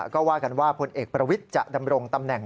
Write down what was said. ก็ว่ากันว่าพลเอกประวิทย์จะดำรงตำแหน่ง